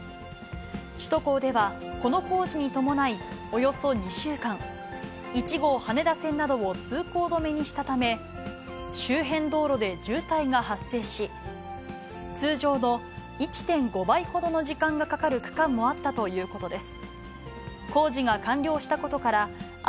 首都高では、この工事に伴い、およそ２週間、１号羽田線などを通行止めにしたため、周辺道路で渋滞が発生し、通常の１．５倍ほどの時間がかかる区間もあったということです。